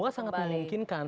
semua sangat memungkinkan